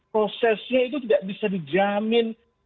prosesnya itu tidak bisa dijamin